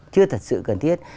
chưa thật sự cần thiết